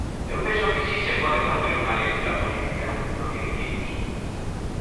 Eu penso que si se pode facer unha lectura política do que dicimos.